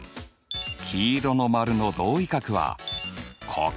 黄色の丸の同位角はここ。